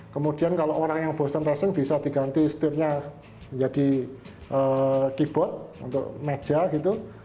kemudian kalau orang yang bosan racing bisa diganti setirnya menjadi keyboard untuk meja gitu